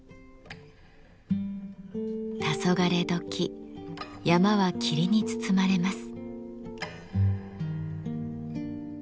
たそがれどき山は霧に包まれます。